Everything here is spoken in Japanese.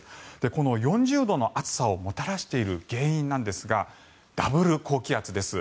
この４０度の暑さをもたらしている原因なんですがダブル高気圧です。